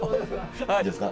いいですか？